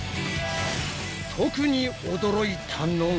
特に驚いたのが！